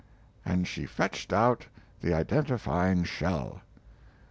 and she fetched out the identifying shell.